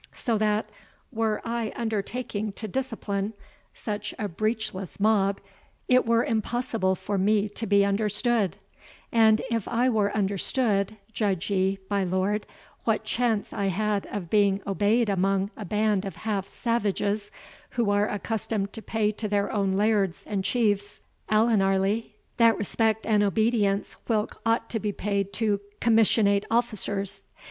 So that, were I undertaking to discipline such a breechless mob, it were impossible for me to be understood; and if I were understood, judge ye, my lord, what chance I had of being obeyed among a band of half salvages, who are accustomed to pay to their own lairds and chiefs, allenarly, that respect and obedience whilk ought to be paid to commissionate officers.